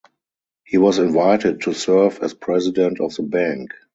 He was invited to serve as president of the bank.